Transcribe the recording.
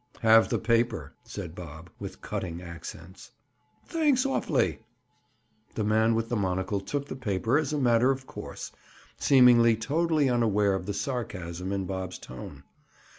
"Have the paper," said Bob with cutting accents. "Thanks awfully." The man with the monocle took the paper as a matter of course, seeming totally unaware of the sarcasm in Bob's tone.